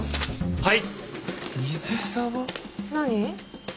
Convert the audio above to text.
はい。